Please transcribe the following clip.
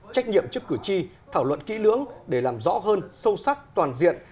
trách nhiệm trước cử tri thảo luận kỹ lưỡng để làm rõ hơn sâu sắc toàn diện